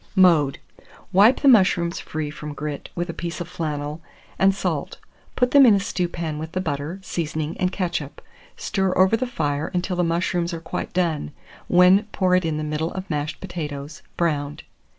Mode. Wipe the mushrooms free from grit with a piece of flannel, and salt; put them in a stewpan with the butter, seasoning, and ketchup; stir over the fire until the mushrooms are quite done, when pour it in the middle of mashed potatoes, browned.